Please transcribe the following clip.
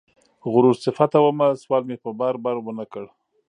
غرور صفته ومه سوال مې په بار، بار ونه کړ